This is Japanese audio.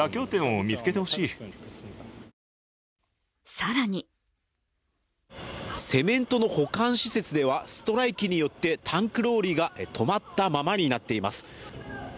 更にセメントの保管施設ではストライキによってタンクローリーが止まったままになっています。